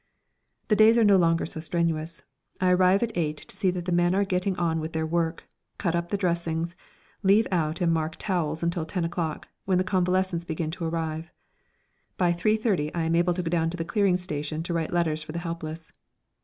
The days are no longer so strenuous. I arrive at eight to see that the men are getting on with their work, cut up dressings, leave out and mark towels until ten o'clock, when the convalescents begin to arrive. By 3.30 I am able to go down to the clearing station to write letters for the helpless.